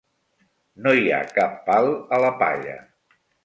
No hi ha cap pal a la palla.